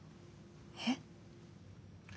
えっ。